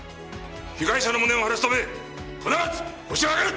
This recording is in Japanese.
被害者の無念を晴らすため必ずホシを挙げる！